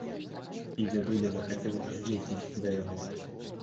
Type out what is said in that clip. І дзядуля захацеў з'ездзіць да яго.